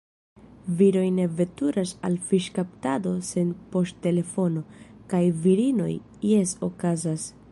Viroj ne veturas al fiŝkaptado sen poŝtelefono, kaj virinoj – jes, okazas!